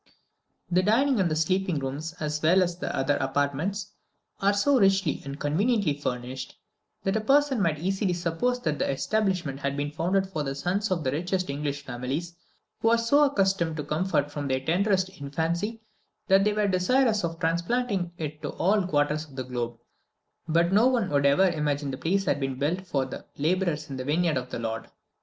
The dining and sleeping rooms, as well as all the other apartments, are so richly and conveniently furnished, that a person might easily suppose that the establishment had been founded for the sons of the richest English families, who were so accustomed to comfort from their tenderest infancy that they were desirous of transplanting it to all quarters of the globe; but no one would ever imagine the place had been built for "the labourers in the vineyard of the Lord."